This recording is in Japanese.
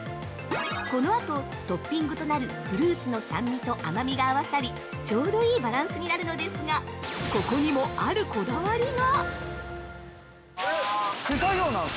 このあと、トッピングとなるフルーツの酸味と甘味が合わさり、ちょうどいいバランスになるのですが、ここにも、あるこだわりが！